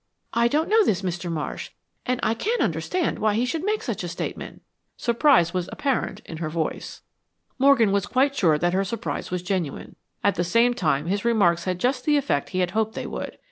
"I don't know this Mr. Marsh, and I can't understand why he should make such a statement." Surprise was apparent in her voice. Morgan was quite sure that her surprise was genuine. At the same time his remarks had just the effect he had hoped they would.